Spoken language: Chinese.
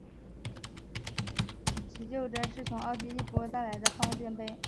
其晷针是从赫利奥波利斯而来的方尖碑。